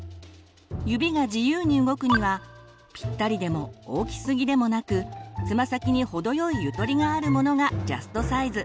指が自由に動くにはぴったりでも大きすぎでもなくつま先に程よいゆとりがあるものがジャストサイズ。